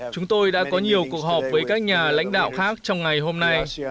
chúng tôi đã có nhiều cuộc họp với các nhà lãnh đạo khác trong ngày hôm nay